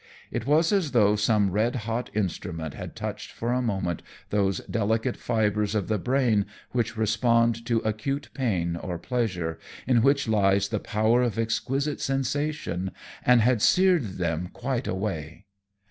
It was as though some red hot instrument had touched for a moment those delicate fibers of the brain which respond to acute pain or pleasure, in which lies the power of exquisite sensation, and had seared them quite away.